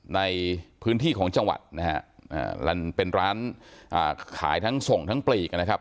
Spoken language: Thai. ในพื้นที่ของจังหวัดนะฮะเป็นร้านอ่าขายทั้งส่งทั้งปลีกนะครับ